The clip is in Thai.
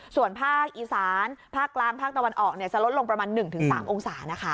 ส่วนภาคอีสานภาคล่างภาคตะวันออกเนี้ยจะลดลงประมาณหนึ่งถึงสามองศานะคะ